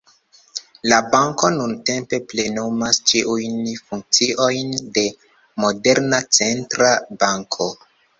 La banko nuntempe plenumas ĉiujn funkciojn de moderna centra banko.